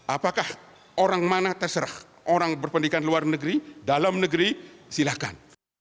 apakah orang mana terserah orang berpendidikan luar negeri dalam negeri silakan